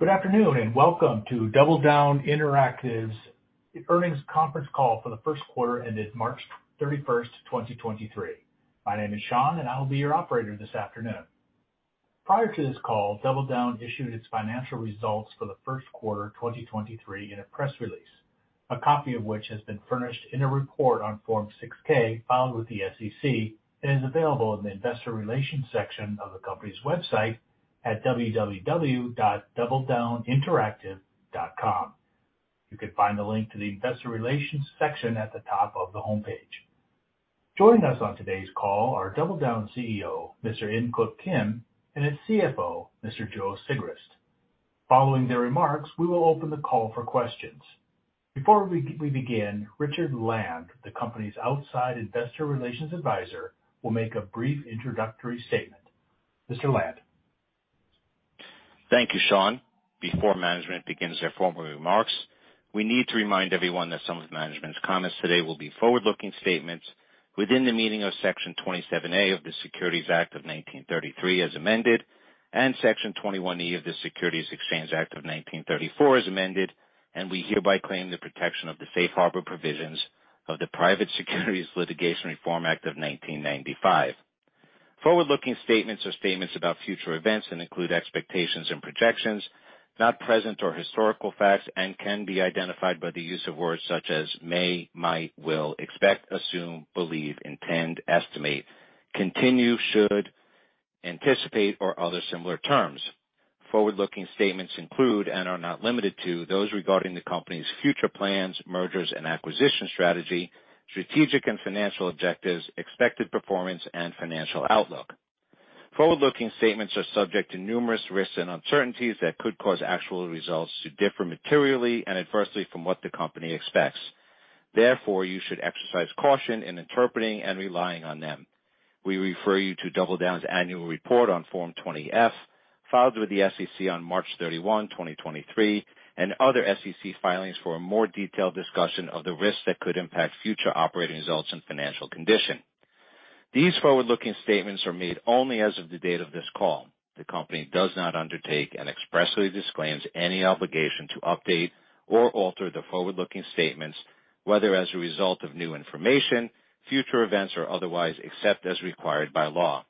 Good afternoon, and welcome to DoubleDown Interactive's Earnings Conference Call for the Q1 ended March 31, 2023. My name is Sean, and I will be your operator this afternoon. Prior to this call, DoubleDown issued its financial results for the Q1, 2023 in a press release, a copy of which has been furnished in a report on Form 6-K filed with the SEC and is available in the investor relations section of the company's website at www.doubledowninteractive.com. You can find the link to the investor relations section at the top of the homepage. Joining us on today's call are DoubleDown CEO, Mr. In Keuk Kim, and his CFO, Mr. Joe Sigrist. Following their remarks, we will open the call for questions. Before we begin, Richard Land, the company's outside investor relations advisor, will make a brief introductory statement. Mr. Land. Thank you, Sean. Before management begins their formal remarks, we need to remind everyone that some of management's comments today will be forward-looking statements within the meaning of Section 27A of the Securities Act of 1933, as amended, and Section 21E of the Securities Exchange Act of 1934, as amended, and we hereby claim the protection of the safe harbor provisions of the Private Securities Litigation Reform Act of 1995. Forward-looking statements are statements about future events and include expectations and projections, not present or historical facts, and can be identified by the use of words such as may, might, will, expect, assume, believe, intend, estimate, continue, should, anticipate, or other similar terms. Forward-looking statements include, and are not limited to, those regarding the company's future plans, mergers and acquisition strategy, strategic and financial objectives, expected performance, and financial outlook. Forward-looking statements are subject to numerous risks and uncertainties that could cause actual results to differ materially and adversely from what the company expects. Therefore, you should exercise caution in interpreting and relying on them. We refer you to DoubleDown's annual report on Form 20-F, filed with the SEC on March 31, 2023, and other SEC filings for a more detailed discussion of the risks that could impact future operating results and financial condition. These forward-looking statements are made only as of the date of this call. The company does not undertake and expressly disclaims any obligation to update or alter the forward-looking statements, whether as a result of new information, future events or otherwise, except as required by law.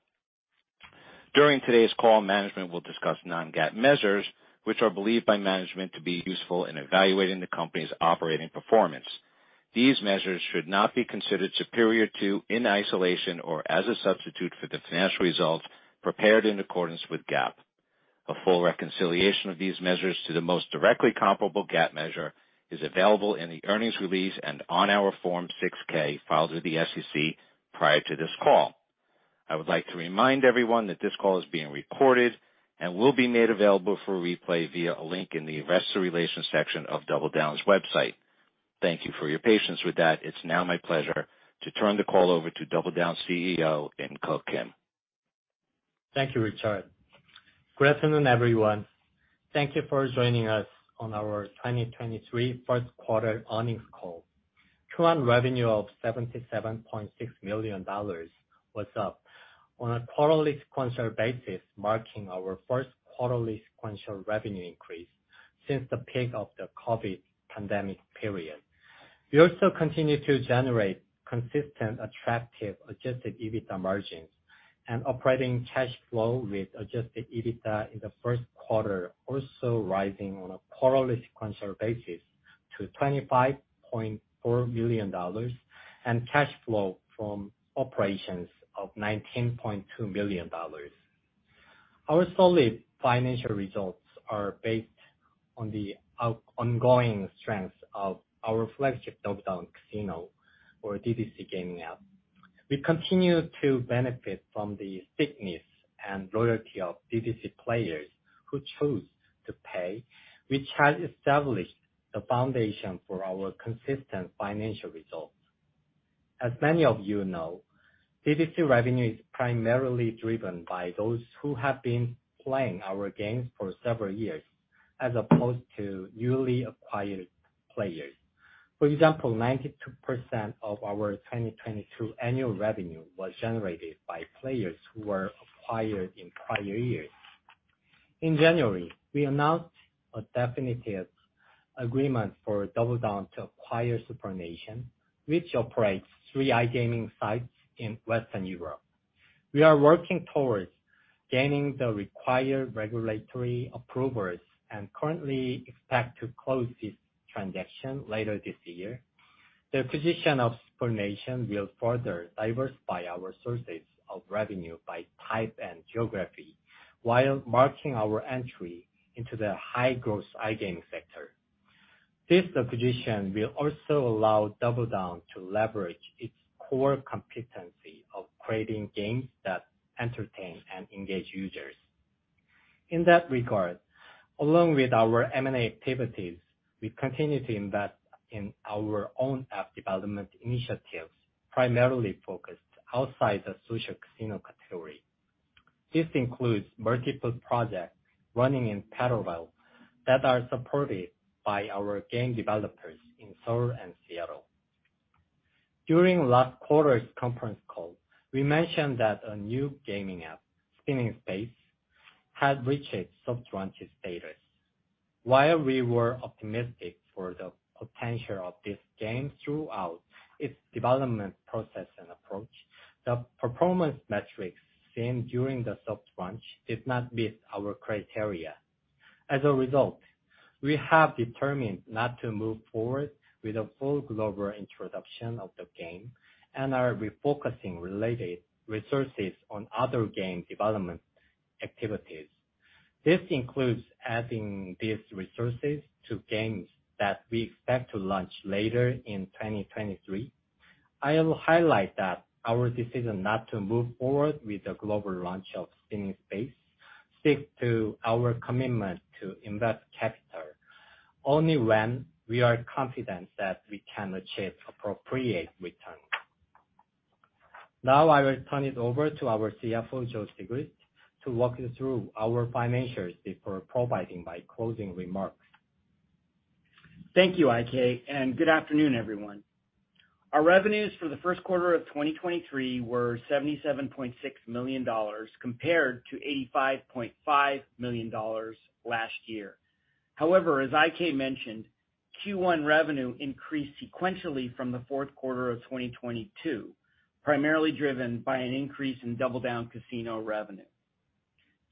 During today's call, management will discuss non-GAAP measures which are believed by management to be useful in evaluating the company's operating performance. These measures should not be considered superior to, in isolation, or as a substitute for the financial results prepared in accordance with GAAP. A full reconciliation of these measures to the most directly comparable GAAP measure is available in the earnings release and on our Form 6-K filed with the SEC prior to this call. I would like to remind everyone that this call is being recorded and will be made available for replay via a link in the investor relations section of DoubleDown's website. Thank you for your patience. It's now my pleasure to turn the call over to DoubleDown's CEO, In-Keuk Kim. Thank you, Richard. Good afternoon, everyone. Thank you for joining us on our 2023 Q1 earnings call. Current revenue of $77.6 million was up on a quarterly sequential basis, marking our Q1 sequential revenue increase since the peak of the COVID pandemic period. We also continue to generate consistent, attractive Adjusted EBITDA margins and operating cash flow with Adjusted EBITDA in the Q1, also rising on a quarterly sequential basis to $25.4 million, and cash flow from operations of $19.2 million. Our solid financial results are based on the ongoing strength of our flagship DoubleDown Casino or DDC gaming app. We continue to benefit from the thickness and loyalty of DDC players who choose to pay, which has established the foundation for our consistent financial results. As many of DDC revenue is primarily driven by those who have been playing our games for several s as opposed to newly acquired players. For example, 92% of our 2022 annual revenue was generated by players who were acquired in prior years. In January, we announced a definitive agreement for DoubleDown to acquire SuprNation, which operates three iGaming sites in Western Europe. We are working towards gaining the required regulatory approvals and currently expect to close this transaction later this year. The acquisition of SuprNation will further diversify our sources of revenue by type and geography while marking our entry into the high-growth iGaming sector. This acquisition will also allow DoubleDown to leverage its core competency of creating games that entertain and engage users. In that regard, along with our M&A activities, we continue to invest in our own app development initiatives, primarily focused outside the social casino category. This includes multiple projects running in parallel that are supported by our game developers in Seoul and Seattle. During last quarter's conference call, we mentioned that a new gaming app, Spinning in Space, had reached its soft launch status. While we were optimistic for the potential of this game throughout its development process and approach, the performance metrics seen during the soft launch did not meet our criteria. As a result, we have determined not to move forward with a full global introduction of the game and are refocusing related resources on other game development activities. This includes adding these resources to games that we expect to launch later in 2023. I will highlight that our decision not to move forward with the global launch of Spinning in Space speaks to our commitment to invest capital only when we are confident that we can achieve appropriate returns. I will turn it over to our CFO, Joe Sigrist, to walk you through our financials before providing my closing remarks. Thank you, IK. Good afternoon, everyone. Our revenues for the Q1 of 2023 were $77.6 million compared to $85.5 million last year. However, as IK mentioned, Q1 revenue increased sequentially from the Q4 of 2022, primarily driven by an increase in DoubleDown Casino revenue.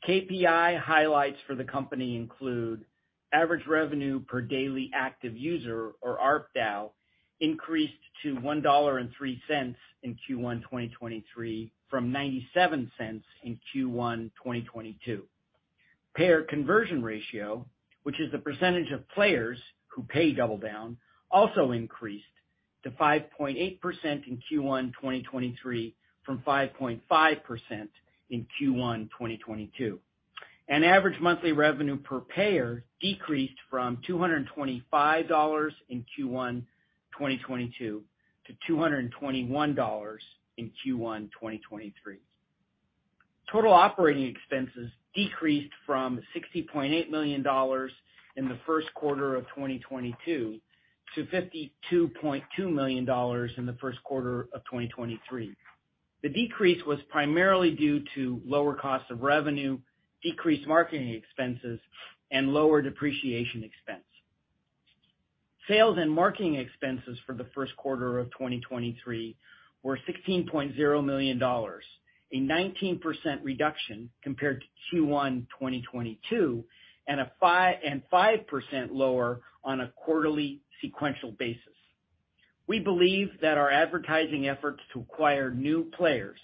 KPI highlights for the company include average revenue per daily active user, or ARPDAU, increased to $1.03 in Q1 2023 from $0.97 in Q1 2022. Payer conversion ratio, which is the percentage of players who pay Double Down, also increased to 5.8% in Q1 2023 from 5.5% in Q1 2022. Average monthly revenue per payer decreased from $225 in Q1 2022 to $221 in Q1 2023. Total operating expenses decreased from $60.8 million in the Q1 of 2022 to $52.2 million in the Q1 of 2023. The decrease was primarily due to lower cost of revenue, decreased marketing expenses, and lower depreciation expense. Sales and marketing expenses for the Q1 of 2023 were $16.0 million, a 19% reduction compared to Q1, 2022, and 5% lower on a quarterly sequential basis. We believe that our advertising efforts to acquire new players,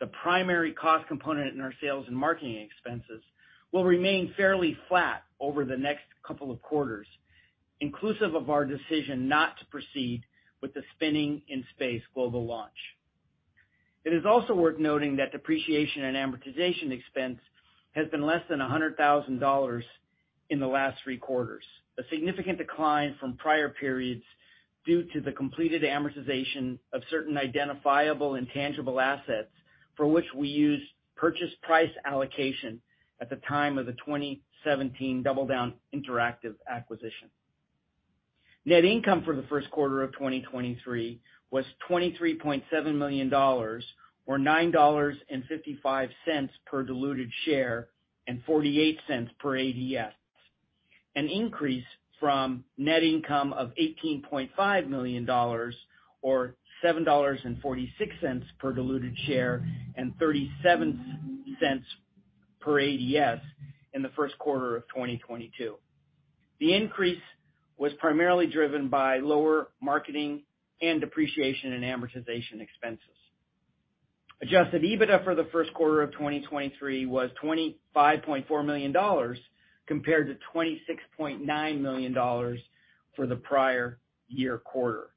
the primary cost component in our sales and marketing expenses, will remain fairly flat over the next couple of quarters, inclusive of our decision not to proceed with the Spinning in Space global launch. It is also worth noting that depreciation and amortization expense has been less than $100,000 in the last 3 quarters, a significant decline from prior periods due to the completed amortization of certain identifiable and tangible assets for which we used purchase price allocation at the time of the 2017 DoubleDown Interactive acquisition. Net income for the Q1 of 2023 was $23.7 million, or $9.55 per diluted share and $0.48 per ADS, an increase from net income of $18.5 million or $7.46 per diluted share and $0.37 per ADS in the Q1 of 2022. The increase was primarily driven by lower marketing and depreciation and amortization expenses. Adjusted EBITDA for the Q1 of 2023 was $25.4 million, compared to $26.9 million for the prior year quarter.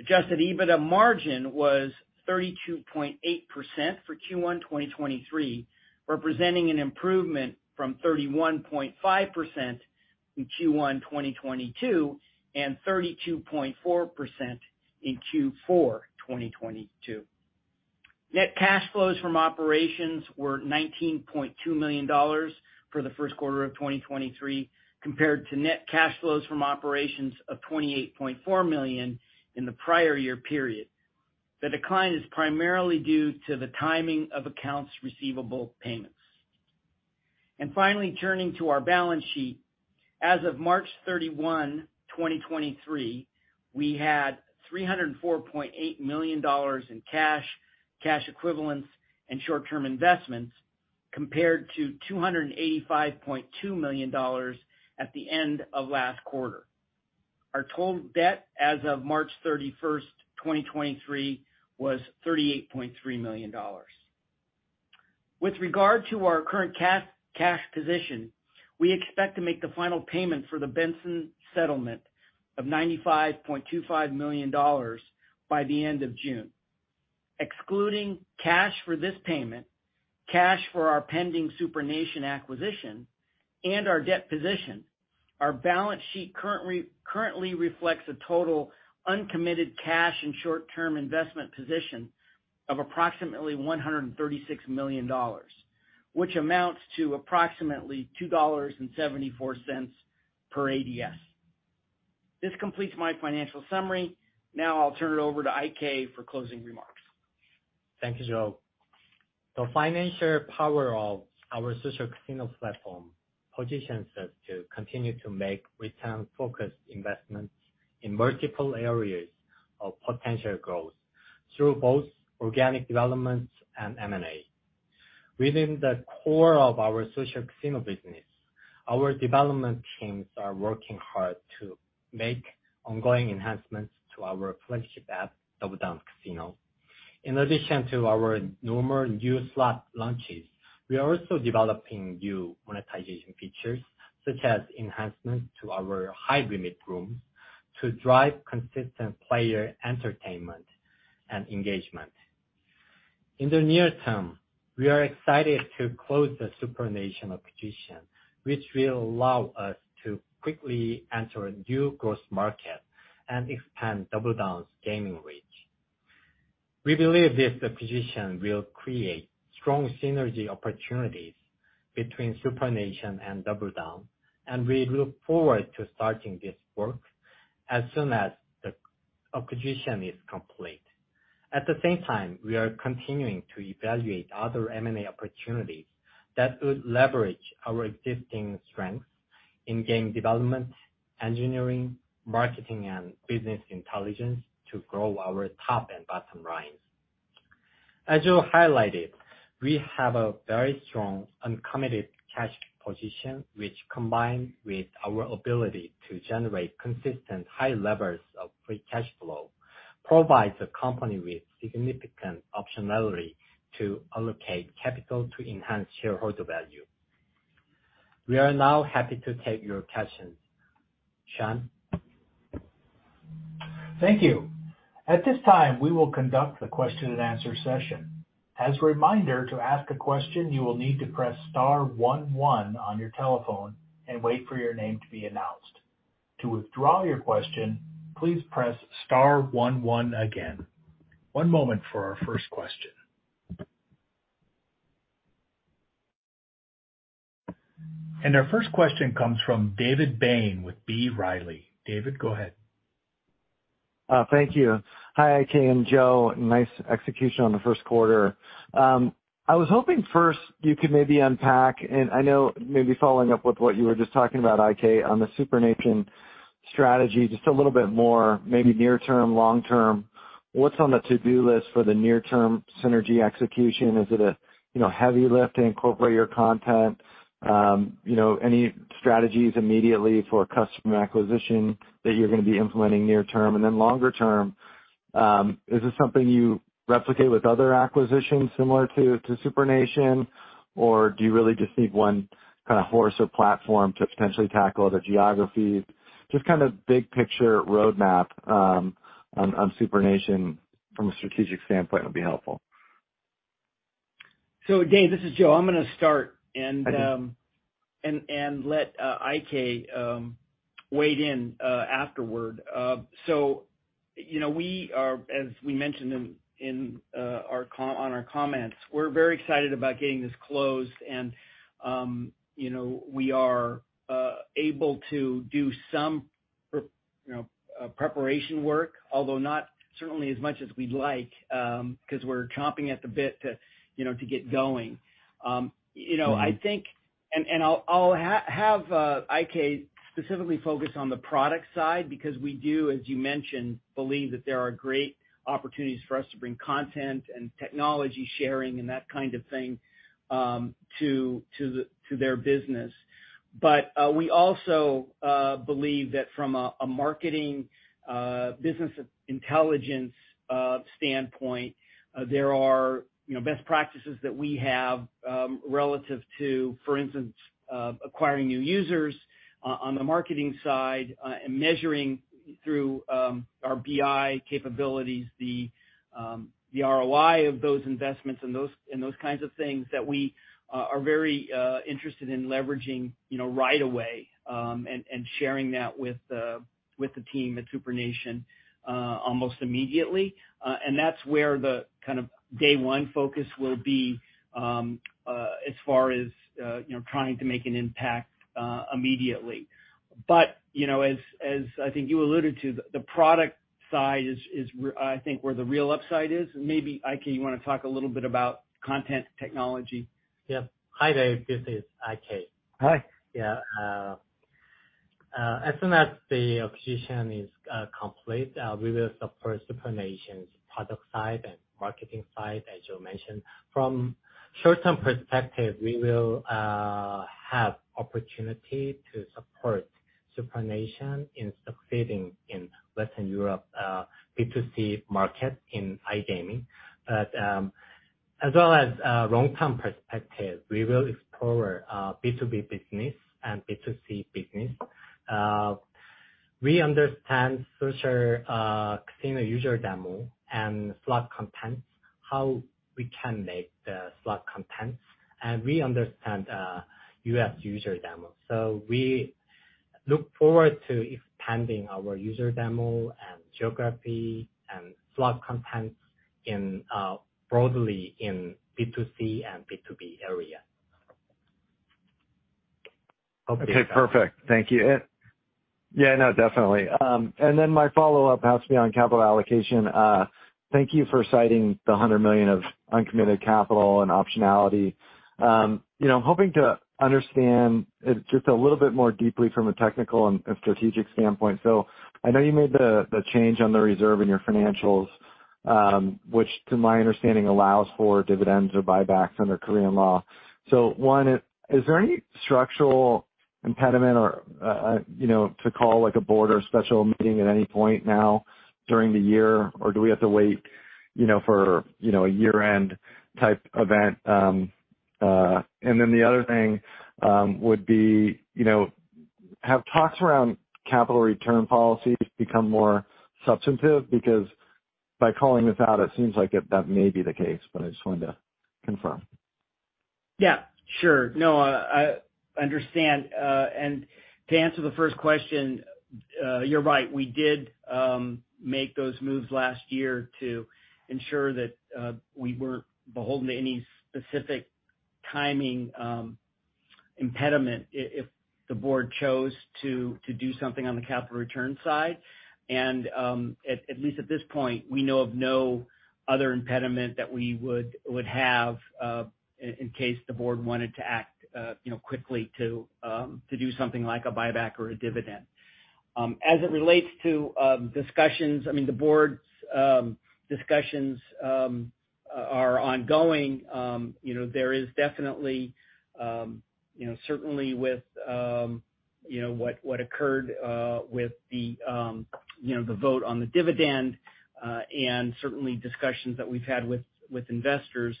Adjusted EBITDA margin was 32.8% for Q1 2023, representing an improvement from 31.5% in Q1 2022 and 32.4% in Q4 2022. Net cash flows from operations were $19.2 million for the Q1 of 2023, compared to net cash flows from operations of $28.4 million in the prior year period. The decline is primarily due to the timing of accounts' receivable payments. Finally, turning to our balance sheet. As of March 31, 2023, we had $304.8 million in cash equivalents, and short-term investments, compared to $285.2 million at the end of last quarter. Our total debt as of March 31, 2023, was $38.3 million. With regard to our current cash position, we expect to make the final payment for the Benson settlement of $95.25 million by the end of June. Excluding cash for this payment, cash for our pending SuprNation acquisition, and our debt position, our balance sheet currently reflects a total uncommitted cash and short-term investment position of approximately $136 million, which amounts to approximately $2.74 per ADS. This completes my financial summary. I'll turn it over to IK for closing remarks. Thank you, Joe. The financial power of our social casino platform positions us to continue to make return-focused investments in multiple areas of potential growth through both organic developments and M&A. Within the core of our social casino business, our development teams are working hard to make ongoing enhancements to our flagship app, DoubleDown Casino. In addition to our normal new slot launches, we are also developing new monetization features, such as enhancements to our High Limit Rooms, to drive consistent player entertainment and engagement. In the near term, we are excited to close the SuprNation acquisition, which will allow us to quickly enter a new growth market and expand DoubleDown's gaming reach. We believe this acquisition will create strong synergy opportunities between SuprNation and DoubleDown, and we look forward to starting this work as soon as the acquisition is complete. At the same time, we are continuing to evaluate other M&A opportunities that would leverage our existing strengths in game development, engineering, marketing, and B.I. to grow our top and bottom lines. As Joe highlighted, we have a very strong uncommitted cash position, which combined with our ability to generate consistent high levels of free cash flow, provides the company with significant optionality to allocate capital to enhance shareholder value. We are now happy to take your questions. Sean? Thank you. At this time, we will conduct the question and answer session. As a reminder, to ask a question, you will need to press star 11 on your telephone and wait for your name to be announced. To withdraw your question, please press star 11 again. One moment for our first question. Our first question comes from David Bain with B. Riley. David, go ahead. Thank you. Hi, IK and Joe. Nice execution on the Q1. I was hoping first you could maybe unpack, and I know maybe following up with what you were just talking about, IK, on the SuprNation strategy, just a little bit more, maybe near term, long term, what's on the to-do list for the near-term synergy execution? Is it a, heavy lift to incorporate your content? You know, any strategies immediately for customer acquisition that you're gonna be implementing near term? Then longer term, is this something you replicate with other acquisitions similar to SuprNation? Or do you really just need one kind of horse or platform to potentially tackle other geographies? Just kind of big picture roadmap on SuprNation from a strategic standpoint would be helpful. Dave, this is Joe. I'm gonna start. Thank you. Let IK weigh in afterward. You know, we are, as we mentioned in our comments, we're very excited about getting this closed and, we are able to do some prep, preparation work, although not certainly as much as we'd like, 'cause we're chomping at the bit to, to get going. Mm-hmm. I think I'll have IK specifically focus on the product side because we do, as you mentioned, believe that there are great opportunities for us to bring content and technology sharing and that kind of thing to their business. We also believe that from a marketing, business intelligence standpoint, there are, best practices that we have relative to, for instance, acquiring new users on the marketing side and measuring through our BI capabilities, the ROI of those investments and those kinds of things that we are very interested in leveraging, right away and sharing that with the team at SuprNation almost immediately. That's where the kind of day one focus will be, as far as, trying to make an impact, immediately. You know, as I think you alluded to, the product side is, I think where the real upside is. Maybe IK, you wanna talk a little bit about content technology? Yeah. Hi, Dave. This is IK. Hi. Yeah. As soon as the acquisition is complete, we will support SuprNation's product side and marketing side, as Joe mentioned. From short-term perspective, we will have opportunity to support SuprNation in succeeding in Western Europe B2C market in iGaming. As well as long-term perspective, we will explore B2B business and B2C business. We understand social casino user demo and slot contents, how we can make the slot contents, and we understand U.S. user demo. We look forward to expanding our user demo and geography and slot contents. In, broadly in B2C and B2B area. Okay. Okay, perfect. Thank you. Yeah, no, definitely. Then my follow-up has to be on capital allocation. Thank you for citing the $100 million of uncommitted capital and optionality. You know, hoping to understand just a little bit more deeply from a technical and strategic standpoint. I know you made the change on the reserve in your financials, which to my understanding, allows for dividends or buybacks under Korean law. One, is there any structural impediment or, to call like a board or a special meeting at any point now during the year? Or do we have to wait, for, a year-end type event? Then the other thing would be, have talks around capital return policies become more substantive? By calling this out, it seems like it, that may be the case, but I just wanted to confirm. Yeah, sure. No, I understand. To answer the first question, you're right. We did make those moves last year to ensure that we weren't beholden to any specific timing impediment if the board chose to do something on the capital return side. At least at this point, we know of no other impediment that we would have in case the board wanted to act, quickly to do something like a buyback or a dividend. As it relates to discussions, I mean, the board's discussions are ongoing. There is definitely, certainly with, what occurred with the, the vote on the dividend, and certainly discussions that we've had with investors,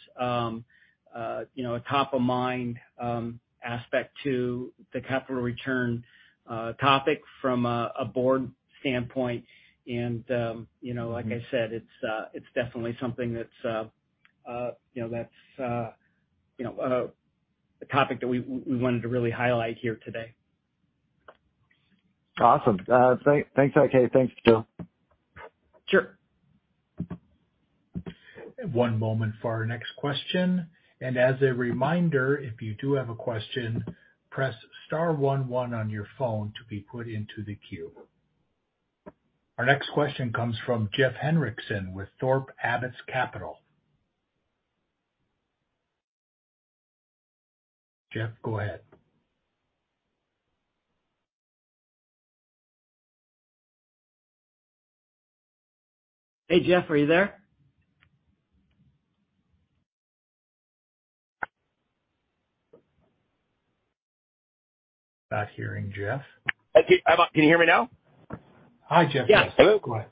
a top of mind aspect to the capital return topic from a board standpoint. You know, like I said, it's definitely something that's, that's, a topic that we wanted to really highlight here today. Awesome. Thanks, AK. Thanks, Joe Sure. One moment for our next question. As a reminder, if you do have a question, press star one one on your phone to be put into the queue. Our next question comes from Jeff Henriksen with Thorpe Abbotts Capital. Jeff, go ahead. Hey, Jeff, are you there? Not hearing Jeff. I'm on. Can you hear me now? Hi, Jeff. Yeah. Hello. Go ahead.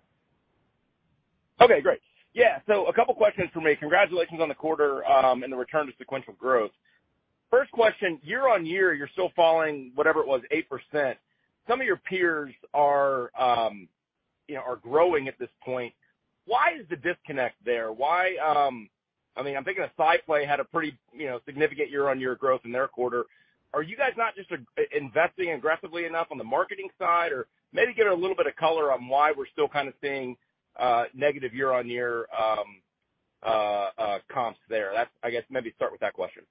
Okay, great. Yeah, a couple questions for me. Congratulations on the quarter, and the return to sequential growth. First question, year-on-year, you're still falling, whatever it was, 8%. Some of your peers are, are growing at this point. Why is the disconnect there? Why? I mean, I'm thinking of SciPlay, had a pretty, significant year-on-year growth in their quarter. Are you guys not just investing aggressively enough on the marketing side? Maybe give a little bit of color on why we're still kind of seeing negative year-on-year comps there. That's, I guess, maybe start with that question.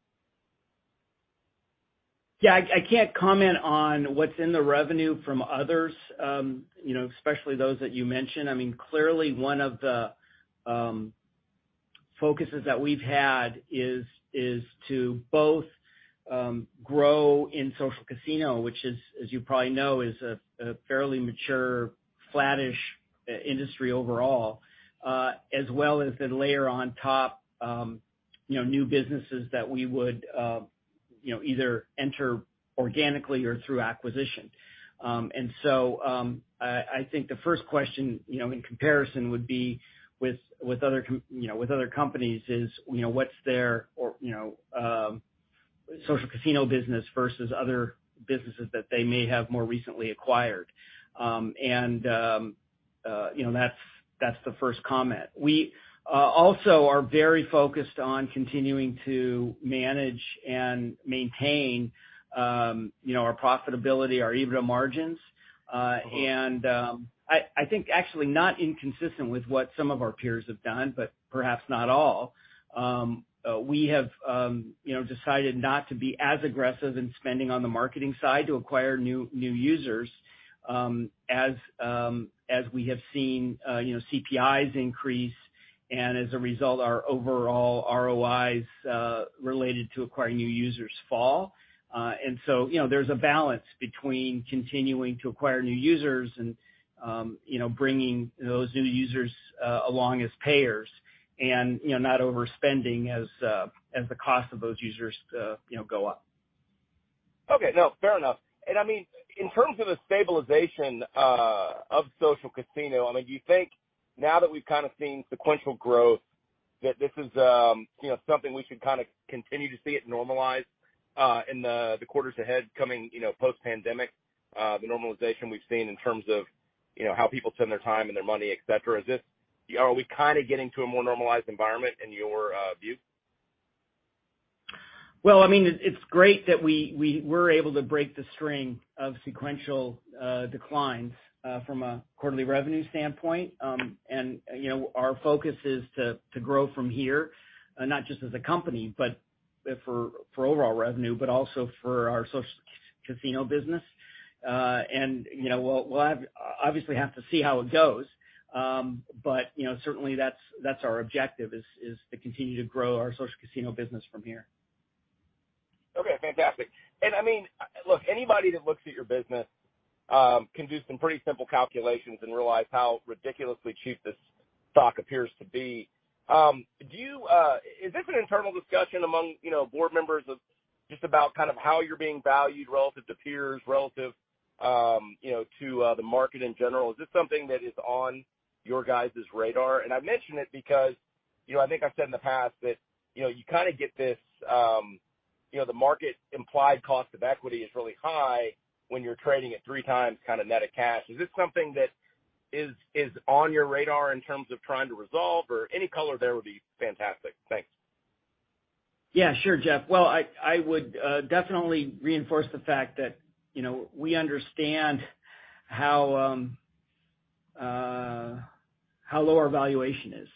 I can't comment on what's in the revenue from others, especially those that you mentioned. I mean, clearly one of the focuses that we've had is to both grow in social casino, which is, as you probably know, is a fairly mature, flattish industry overall, as well as then layer on top, new businesses that we would, either enter organically or through acquisition. I think the first question, in comparison would be with other companies is, what's their or social casino business versus other businesses that they may have more recently acquired. You know, that's the first comment. We also are very focused on continuing to manage and maintain, our profitability, our EBITDA margins. I think actually not inconsistent with what some of our peers have done, but perhaps not all. We have, decided not to be as aggressive in spending on the marketing side to acquire new users, as we have seen, CPIs increase, and as a result, our overall ROIs related to acquiring new users fall. There's a balance between continuing to acquire new users and, bringing those new users along as payers and, not overspending as the cost of those users, go up. Okay. No, fair enough. I mean, in terms of the stabilization of social casino, I mean, do you think now that we've kind of seen sequential growth, that this is, something we should kind of continue to see it normalize in the quarters ahead coming, post-pandemic? The normalization we've seen in terms of, how people spend their time and their money, et cetera. Are we kind of getting to a more normalized environment in your view? Well, I mean, it's great that we were able to break the string of sequential declines from a quarterly revenue standpoint. Our focus is to grow from here, not just as a company, but for overall revenue, but also for our social casino business. We'll obviously have to see how it goes. You know, certainly that's our objective is to continue to grow our social casino business from here. Okay, fantastic. I mean, look, anybody that looks at your business, can do some pretty simple calculations and realize how ridiculously cheap this stock appears to be. Is this an internal discussion among, board members of just about kind of how you're being valued relative to peers, relative, to the market in general? Is this something that is on your guys' radar? I mention it because, I think I've said in the past that, you kinda get this, the market implied cost of equity is really high when you're trading at 3 times kinda net of cash. Is this something that is on your radar in terms of trying to resolve or any color there would be fantastic. Thanks. Yeah, sure, Jeff. Well, I would definitely reinforce the fact that, we understand how low our valuation is.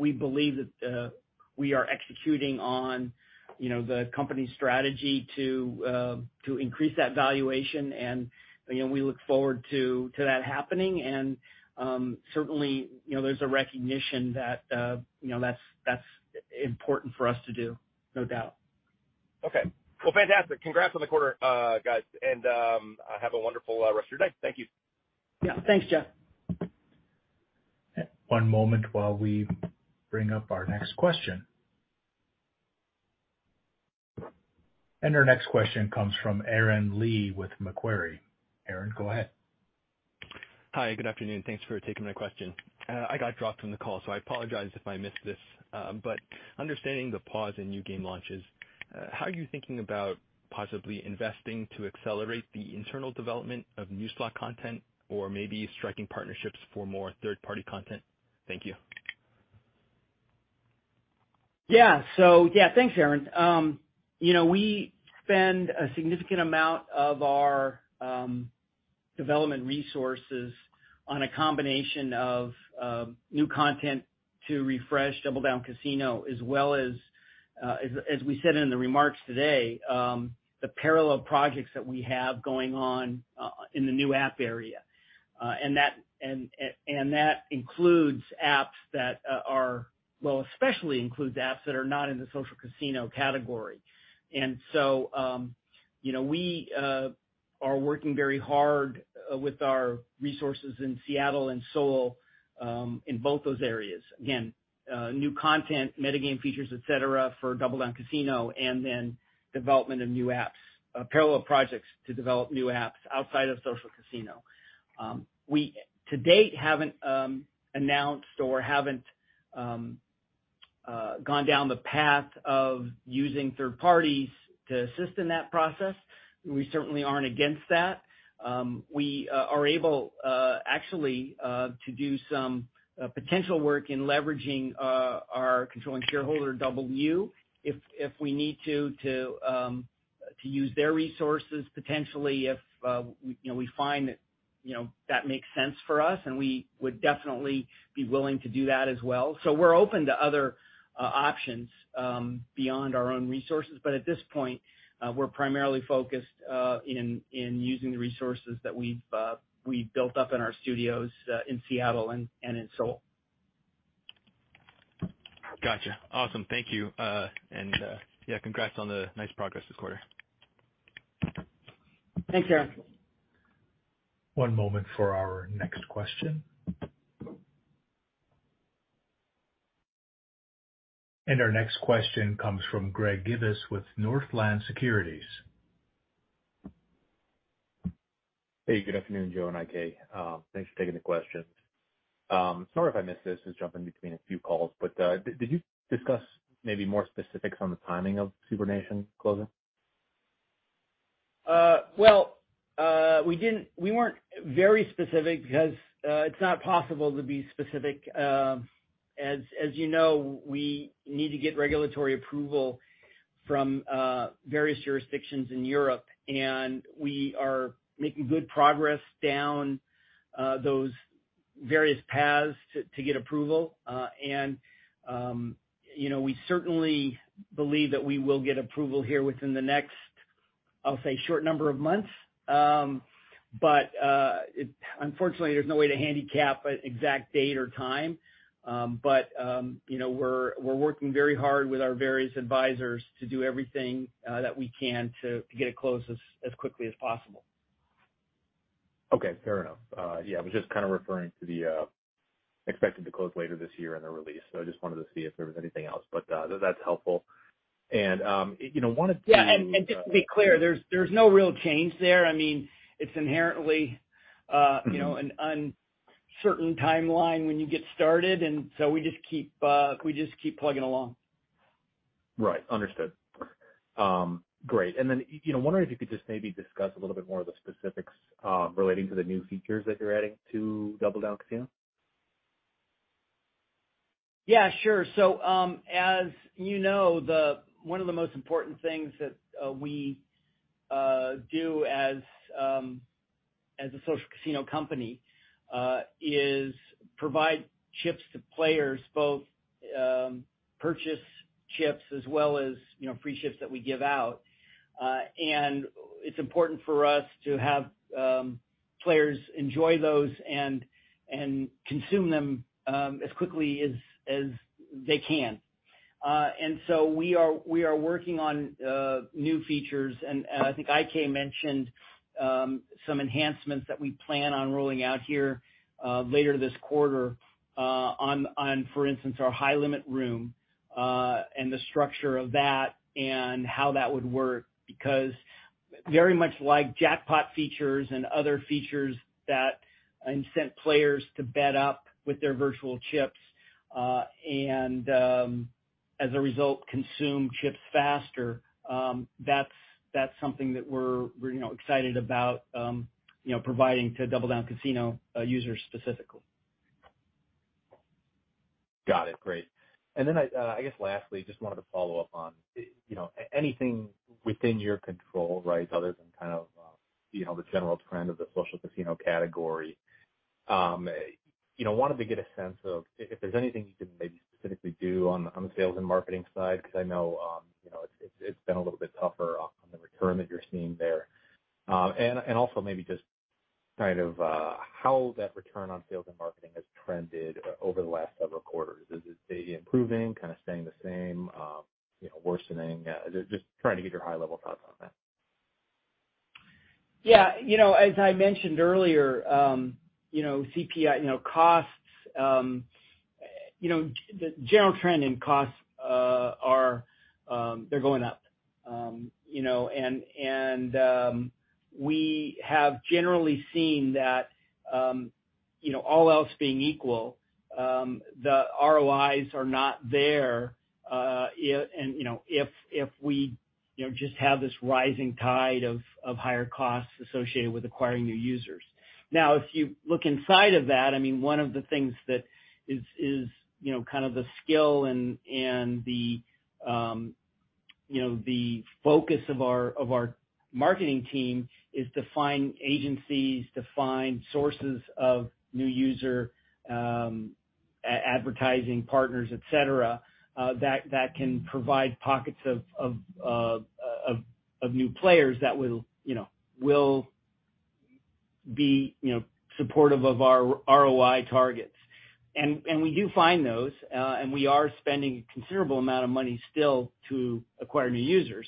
We believe that we are executing on, the company's strategy to increase that valuation and, we look forward to that happening. Certainly, there's a recognition that, that's important for us to do, no doubt. Okay. Well, fantastic. Congrats on the quarter, guys. Have a wonderful, rest of your day. Thank you. Yeah. Thanks, Jeff. One moment while we bring up our next question. Our next question comes from Aaron Lee with Macquarie. Aaron, go ahead. Hi, good afternoon. Thanks for taking my question. I got dropped from the call, so I apologize if I missed this. Understanding the pause in new game launches, how are you thinking about possibly investing to accelerate the internal development of new slot content or maybe striking partnerships for more third-party content? Thank you. Yeah, thanks, Aaron. You know, we spend a significant amount of our development resources on a combination of new content to refresh DoubleDown Casino, as well as we said in the remarks today, the parallel projects that we have going on in the new app area. And that includes apps that are. Well, especially includes apps that are not in the social casino category. You know, we are working very hard with our resources in Seattle and Seoul in both those areas. Again, new content, metagame features, et cetera, for DoubleDown Casino, and then development of new apps, parallel projects to develop new apps outside of social casino. We to date haven't announced or haven't gone down the path of using third parties to assist in that process. We certainly aren't against that. We are able, actually, to do some potential work in leveraging our controlling shareholder, DoubleU, if we need to use their resources, potentially if, we find that makes sense for us. We would definitely be willing to do that as well. We're open to other options beyond our own resources. At this point, we're primarily focused in using the resources that we've built up in our studios in Seattle and in Seoul. Gotcha. Awesome. Thank you. Yeah, congrats on the nice progress this quarter. Thanks, Aaron. One moment for our next question. Our next question comes from Greg Gibas with Northland Securities. Hey, good afternoon, Joe and IK. Thanks for taking the question. Sorry if I missed this. I was jumping between a few calls. Did you discuss maybe more specifics on the timing of SuprNation closing? Well, we weren't very specific because it's not possible to be specific. As you know, we need to get regulatory approval from various jurisdictions in Europe, and we are making good progress down those various paths to get approval. You know, we certainly believe that we will get approval here within the next, I'll say, short number of months. Unfortunately, there's no way to handicap an exact date or time. You know we're working very hard with our various advisors to do everything that we can to get it closed as quickly as possible. Okay, fair enough. Yeah, I was just kinda referring to the expected to close later this year in the release. I just wanted to see if there was anything else. That's helpful. Yeah. Just to be clear, there's no real change there. I mean, it's inherently. Mm-hmm. An uncertain timeline when you get started, and so we just keep plugging along. Right. Understood. Perfect. Great. Wondering if you could just maybe discuss a little bit more of the specifics, relating to the new features that you're adding to DoubleDown Casino. Yeah, sure. As one of the most important things that we do as a social casino company, is provide chips to players, both, purchase chips as well as, free chips that we give out. It's important for us to have, players enjoy those and consume them, as quickly as they can. We are working on new features, and I think IK mentioned some enhancements that we plan on rolling out here later this quarter on, for instance, our High Limit Room, and the structure of that and how that would work, because very much like jackpot features and other features that incent players to bet up with their virtual chips, and as a result, consume chips faster, that's something that we're, excited about,, providing to DoubleDown Casino users specifically. Got it. Great. I guess lastly, just wanted to follow up on, anything within your control, right other than kind of, the general trend of the social casino category. You know, wanted to get a sense of if there's anything you can maybe specifically do on the sales and marketing side, 'cause I know, it's been a little bit tougher on the return that you're seeing there. Also maybe just kind of, how that return on sales and marketing has trended over the last several quarters? Is it maybe improving, kind of staying the same, worsening? Just trying to get your high-level thoughts on that. Yeah. As I mentioned earlier, CPI, costs, the general trend in costs are, they're going u and, we have generally seen that, all else being equal, the ROIs are not there, and, if we, just have this rising tide of higher costs associated with acquiring new users. Now, if you look inside of that, I mean, one of the things that is, kind of the skill and the focus of our marketing team is to find agencies, to find sources of new user advertising partners, et cetera, that can provide pockets of new players that will be, supportive of our ROI targets. We do find those, and we are spending a considerable amount of money still to acquire new users.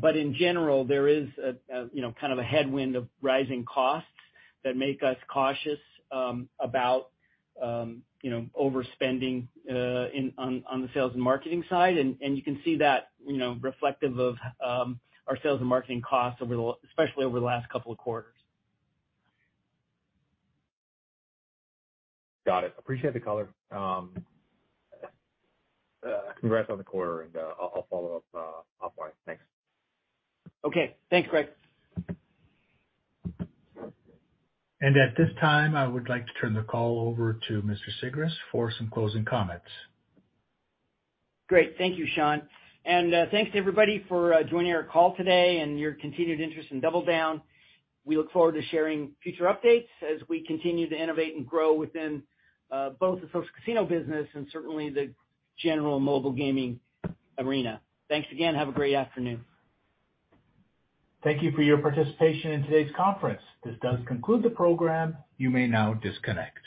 But in general, there is a, kind of a headwind of rising costs that make us cautious about, overspending on the sales and marketing side. You can see that, reflective of, our sales and marketing costs especially over the last couple of quarters. Got it. Appreciate the color. Congrats on the quarter, and I'll follow up offline. Thanks. Okay. Thanks, Greg. At this time, I would like to turn the call over to Mr. Sigrist for some closing comments. Great. Thank you, Sean. Thanks to everybody for joining our call today and your continued interest in DoubleDown. We look forward to sharing future updates as we continue to innovate and grow within both the social casino business and certainly the general mobile gaming arena. Thanks again. Have a great afternoon. Thank you for your participation in today's conference. This does conclude the program. You may now disconnect.